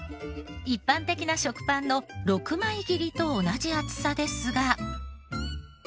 一般的な食パンの６枚切りと同じ厚さですが。